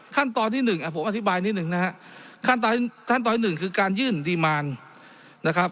ขั้นตอนที่หนึ่งผมอธิบายนิดหนึ่งนะฮะขั้นตอนขั้นตอนหนึ่งคือการยื่นดีมารนะครับ